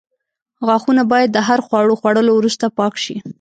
غاښونه باید د هر خواړو خوړلو وروسته پاک شي.